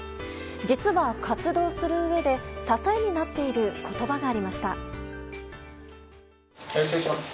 実は、活動するうえで支えになっている言葉がありました。